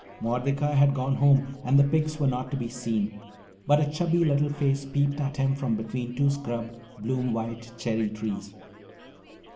Mordecai had gone home and the pigs were not to be seen, but a chubby little face peeped at him from between two scrub, bloom white cherry trees.